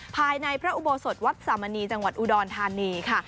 ภายในพระอุโบสถวัดสามณีจังหวัดอุดรธานีค่ะ